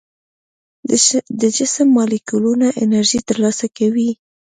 د جسم مالیکولونه انرژي تر لاسه کوي.